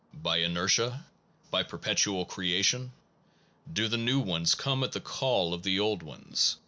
By inertia? By perpetual creation? Do the new ones come at the call of the old ones?